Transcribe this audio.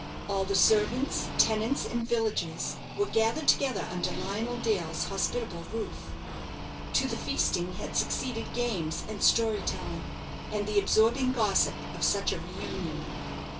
All the servants, tenants, and villagers were gathered together under Lionel Dale's hospitable roof. To the feasting had succeeded games and story telling, and the absorbing gossip of such a reunion.